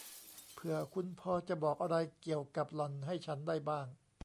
เผื่อคุณพอจะบอกอะไรเกี่ยวกับหล่อนให้ฉันได้บ้าง